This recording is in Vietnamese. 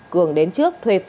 cường đến trước thuê nhà nghỉ